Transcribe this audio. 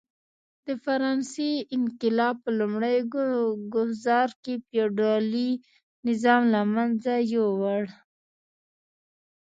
د فرانسې انقلاب په لومړي ګوزار کې فیوډالي نظام له منځه یووړ.